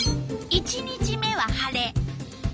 １日目は晴れ。